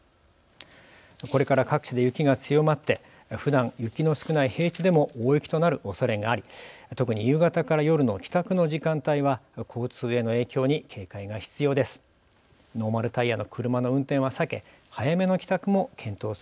これから各地で雪が強まってふだん雪の少ない平地でも大雪となるおそれがあり特に夕方から夜の帰宅の時間帯は交通への影響に警戒が必要です。